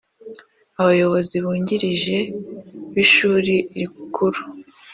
Abayobozi bungirije b Ishuri Rikuru